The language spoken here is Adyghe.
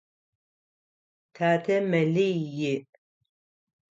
Татэ мэлий иӏ.